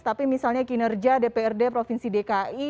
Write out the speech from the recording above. tapi misalnya kinerja dprd provinsi dki